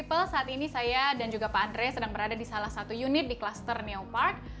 people saat ini saya dan juga pak andre sedang berada di salah satu unit di kluster neopark